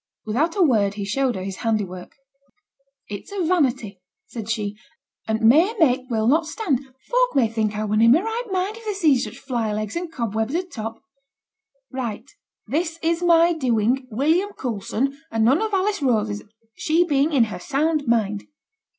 Without a word he showed her his handiwork. 'It's a vanity,' said she, 'and 't may make t' will not stand. Folk may think I were na in my right mind, if they see such fly legs and cob webs a top. Write, "This is my doing, William Coulson, and none of Alice Rose's, she being in her sound mind."'